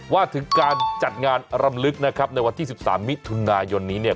ว่าถึงการจัดงานรำลึกนะครับในวันที่๑๓มิถุนายนนี้เนี่ย